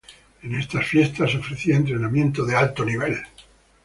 En estas fiestas se ofrecía entretenimiento de alto nivel.